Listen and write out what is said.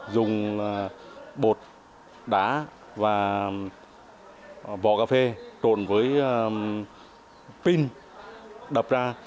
dùng bột đá và vỏ cà phê trộn với pin đập ra